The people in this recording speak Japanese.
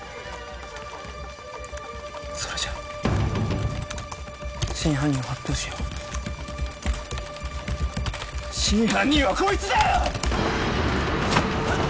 それじゃ真犯人を発表しよう真犯人はこいつだよ！